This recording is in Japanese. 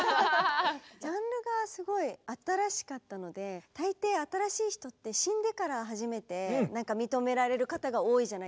ジャンルがすごい新しかったので大抵新しい人って死んでから初めて認められる方が多いじゃないですか。